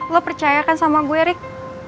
lo percaya kan sama gue erick